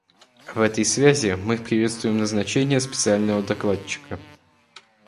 В этой связи мы приветствуем назначение специального докладчика.